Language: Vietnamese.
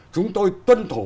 chúng tôi tuân thủ